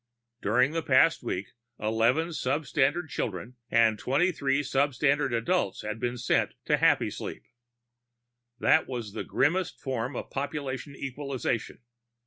During the past week, eleven substandard children and twenty three substandard adults had been sent on to Happysleep. That was the grimmest form of population equalization.